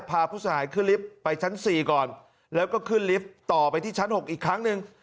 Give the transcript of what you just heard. พาผู้เสียหายขึ้นลิฟต์ไปชั้น๔ก่อนแล้วก็ขึ้นลิฟต์ต่อไปที่ชั้น๖อีกครั้งหนึ่ง